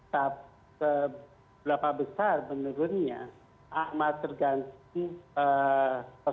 tapi seberapa besar menurunnya